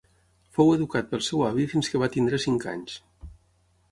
Fou educat pel seu avi fins que va tenir cinc anys.